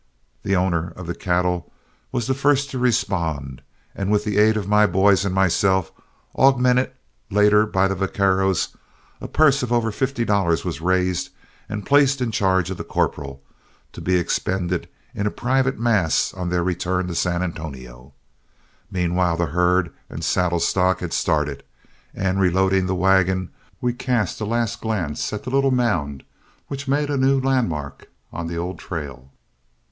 The owner of the cattle was the first to respond, and with the aid of my boys and myself, augmented later by the vaqueros, a purse of over fifty dollars was raised and placed in charge of the corporal, to be expended in a private mass on their return to San Antonio. Meanwhile the herd and saddle stock had started, and reloading the wagon, we cast a last glance at the little mound which made a new landmark on the old trail.